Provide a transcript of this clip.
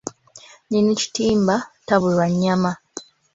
Nnyini kitimba, tabulwa nnyama.